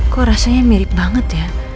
kok rasanya mirip banget ya